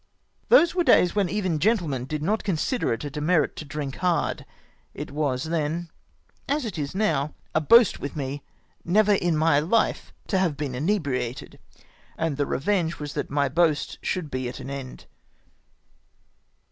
Those were days when even gentlemen did not con sider it a demerit to drink hard. It was then, as it is now, a boast with me never in my life to have been inebriated, and the revenge was that my boast should be at an end.